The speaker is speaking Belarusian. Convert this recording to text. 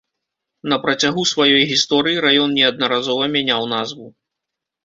На працягу сваёй гісторыі раён неаднаразова мяняў назву.